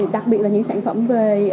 đặc biệt là những sản phẩm về